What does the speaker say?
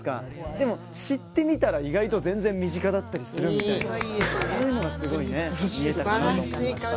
でも知ってみたら意外と全然身近だったりするみたいなそういうのがすごいね見えたのかなと思いました。